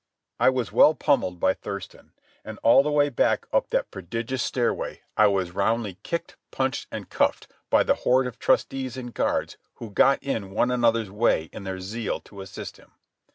I was well pummelled by Thurston, and all the way back up that prodigious stairway I was roundly kicked, punched, and cuffed by the horde of trusties and guards who got in one another's way in their zeal to assist him.